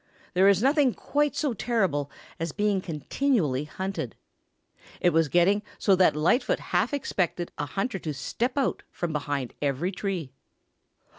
There is nothing quite so terrible as being continually hunted. It was getting so that Lightfoot half expected a hunter to step out from behind every tree.